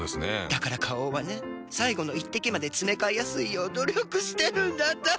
だから花王はね最後の一滴までつめかえやすいよう努力してるんだって。